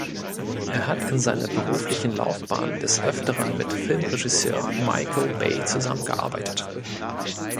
Er hat in seiner beruflichen Laufbahn des Öfteren mit Filmregisseur Michael Bay zusammengearbeitet.